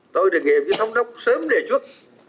tôi đề nghị với thông đốc sớm đề trước